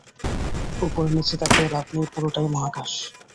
উপরে-নিচে তাকিয়ে লাভ নেই, পুরোটাই মহাকাশ।